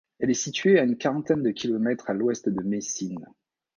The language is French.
Elle est située à une quarantaine de kilomètres à l'ouest de Messine.